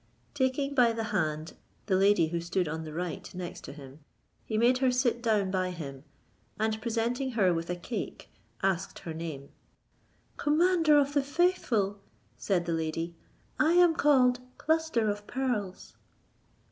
Taking by the hand the lady who stood on the right next to him, he made her sit down by him, and presenting her with a cake, asked her name. "Commander of the faithful," said the lady, "I am called Cluster of Pearls."